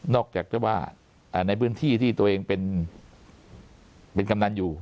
จากเจ้าว่าในพื้นที่ที่ตัวเองเป็นกำนันอยู่